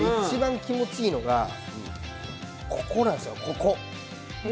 一番気持ちいいのが、ここなんですよ、ここ。